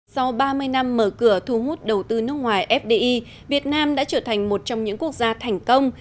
sau ba mươi năm mở cửa thu hút đầu tư nước ngoài fdi việt nam đã trở thành một trong những quốc gia thành công